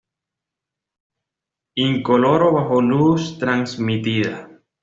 Incoloro bajo luz transmitida.